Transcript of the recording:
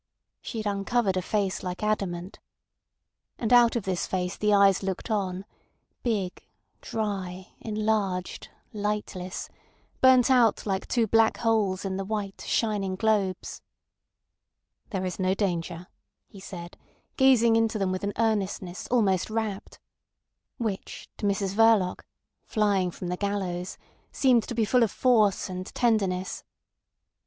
She had uncovered a face like adamant. And out of this face the eyes looked on, big, dry, enlarged, lightless, burnt out like two black holes in the white, shining globes. "There is no danger," he said, gazing into them with an earnestness almost rapt, which to Mrs Verloc, flying from the gallows, seemed to be full of force and tenderness.